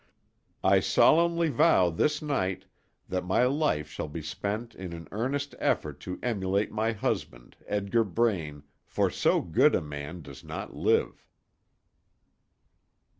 I solemnly vow this night, that my life shall be spent in an earnest effort to emulate my husband, Edgar Braine, for so good a man does not live.